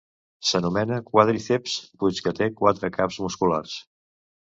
S'anomena quàdriceps puix que té quatre caps musculars.